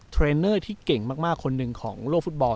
เทรนเนอร์ที่เก่งมากคนหนึ่งของโลกฟุตบอล